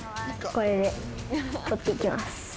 これで撮って行きます。